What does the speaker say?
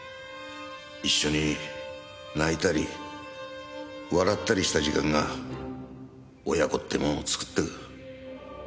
一緒に泣いたり笑ったりした時間が親子ってもんをつくってく。